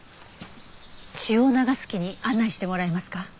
血を流す木に案内してもらえますか？